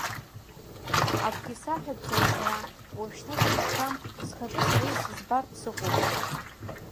Акгьы саҳәатәӡам сара, уажәшьҭа сыԥшқам, схатәы сара исыӡбартә сыҟоуп!